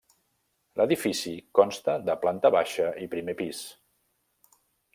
L'edifici consta de planta baixa i primer pis.